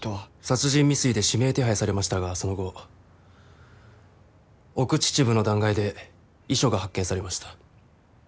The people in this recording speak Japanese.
殺人未遂で指名手配されましたがその後奥秩父の断崖で遺書が発見されました。